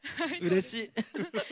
うれしい。